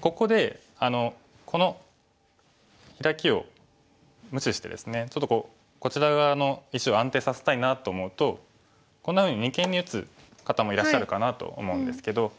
ここでこのヒラキを無視してですねちょっとこちら側の石を安定させたいなと思うとこんなふうに二間に打つ方もいらっしゃるかなと思うんですけど。